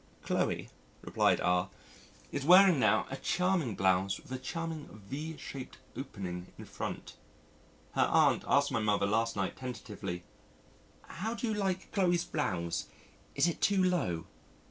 "Chloe," replied R , "is wearing now a charming blouse with a charming V shaped opening in front. Her Aunt asked my Mother last night tentatively, 'How do you like Chloe's blouse? Is it too low?'